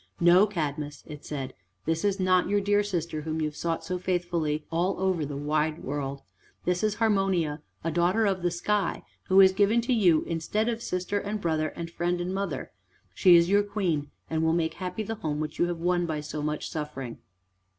"No, Cadmus," it said, "this is not your dear sister whom you have sought so faithfully all over the wide world. This is Harmonia, a daughter of the sky, who is given to you instead of sister and brother, and friend and mother. She is your Queen, and will make happy the home which you have won by so much suffering."